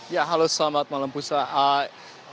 ya halo selamat malam pusat